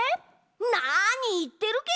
なにいってるケロ！